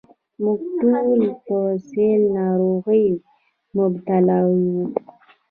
موږ ټول په سِل ناروغۍ مبتلا وو.